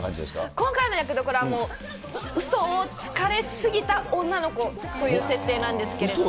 今回の役どころはもう、うそをつかれすぎた女の子という設定なんですけれども。